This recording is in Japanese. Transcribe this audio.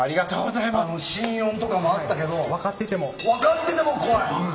心音とかもあったけど分かってても怖い。